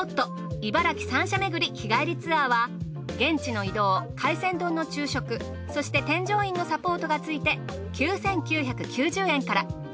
茨城３社めぐり日帰りツアーは現地の移動海鮮丼の昼食そして添乗員のサポートがついて９，９９０円から。